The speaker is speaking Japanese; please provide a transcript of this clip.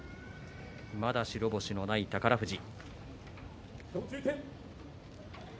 まだ白星のない宝富士。